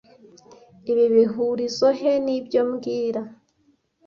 Ibi bihurizoe he nibyo mbwira